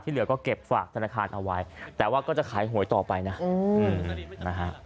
เหลือก็เก็บฝากธนาคารเอาไว้แต่ว่าก็จะขายหวยต่อไปนะนะฮะ